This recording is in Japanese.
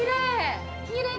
きれい！